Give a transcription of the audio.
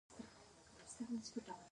ستاسو پلرونو د دې شیانو فکر هم نه کاوه